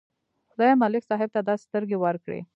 خدای ملک صاحب ته داسې سترګې ورکړې.